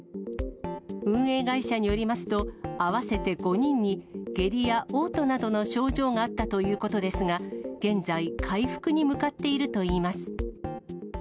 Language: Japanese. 運営会社によりますと、合わせて５人に下痢やおう吐などの症状があったということですが、現在、回復に向かっているといいます。